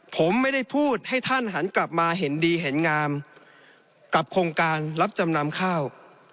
ผมไม่ได้พูดให้ท่านหันกลับมาเห็นดีเห็นงามกับโครงการรับจำนำข้าว